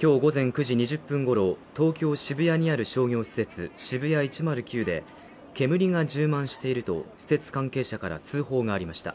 今日午前９時２０分ごろ、東京・渋谷にある商業施設・ＳＨＩＢＵＹＡ１０９で煙が充満していると施設関係者から通報がありました。